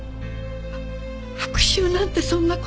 復讐なんてそんな事！